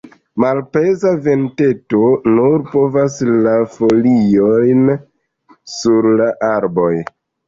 Malpeza venteto nur movas la foliojn sur la arboj.